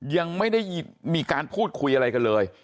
ยังไม่ได้มีการพูดคุยอะไรกันเลย